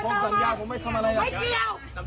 คุยตรงนี้มองอะไรมึงก็จะทำร้ายร่างกายคุณอีกอย่างเดียว